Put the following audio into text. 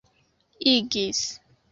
igis